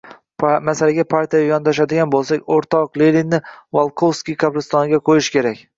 Masalaga partiyaviy yondashadigan bo‘lsak, o‘rtoq Leninni Volkovskiy qabristoniga qo‘yish kerak.